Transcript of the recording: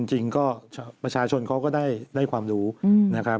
จริงก็ประชาชนเขาก็ได้ความรู้นะครับ